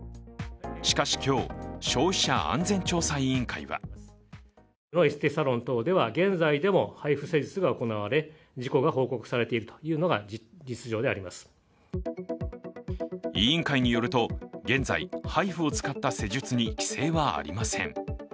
しかし今日、消費者安全調査委員会は委員会によると現在ＨＩＦＵを使った施術に規制はありません。